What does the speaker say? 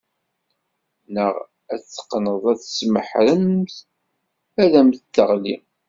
Neɣ ad t-teqqneḍ s tmeḥremt ad am-d-teɣli.